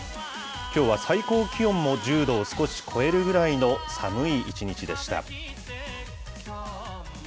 きょうは最高気温も１０度を少し超えるぐらいの寒い一日でした。